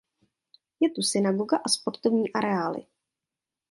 Je tu synagoga a sportovní areály.